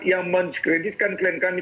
yang mengkreditkan klien kami